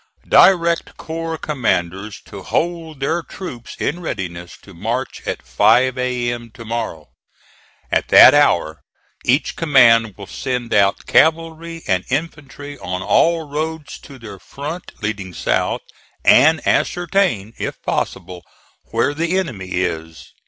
Direct corps commanders to hold their troops in readiness to march at five A.M. to morrow. At that hour each command will send out cavalry and infantry on all roads to their front leading south, and ascertain, if possible, where the enemy is.